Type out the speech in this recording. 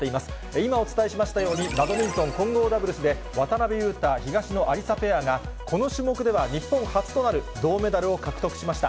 今、お伝えしましたように、バドミントン混合ダブルスで渡辺勇大・東野有紗ペアが、この種目では日本初となる銅メダルを獲得しました。